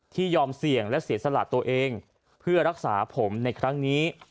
ยอมเสี่ยงและเสียสละตัวเองเพื่อรักษาผมในครั้งนี้